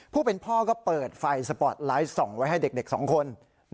ผู้เป็นพ่อก็เปิดไฟสปอร์ตไลท์ส่องไว้ให้เด็ก๒คน